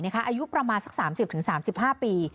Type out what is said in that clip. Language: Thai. อายุประมาณสัก๓๐๓๕ปี